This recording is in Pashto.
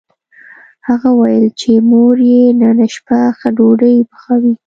هغه وویل چې مور یې نن شپه ښه ډوډۍ پخوي